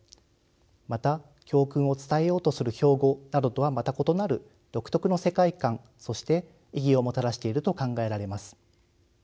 また教訓を伝えようとする標語などとはまた異なる独特の世界感そして意義をもたらしていると考えられます。